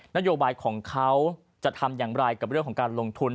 นโยบายของเขาจะทำอย่างไรกับเรื่องของการลงทุน